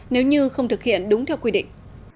nếu như không thực hiện đúng theo quy định